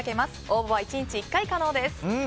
応募は１日１回可能です。